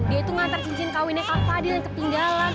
dia itu ngantar cincin kawinnya kak fadil yang ketinggalan